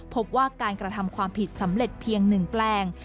พบว่าการกระทำความผิดสำเร็จเพียง๑แปลง